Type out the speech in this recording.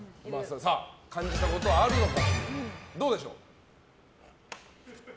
感じたことはあるのか。